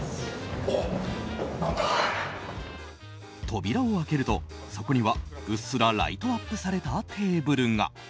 扉を開けると、そこにはうっすらライトアップされたテーブルが。